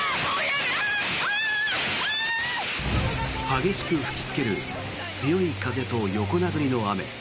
激しく吹きつける強い風と横殴りの雨。